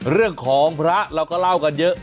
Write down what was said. เรื่องของพระเราก็เล่ากันเยอะ